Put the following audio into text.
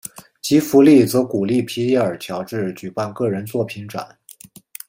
吉福利则鼓励皮耶尔乔治举办个人作品展。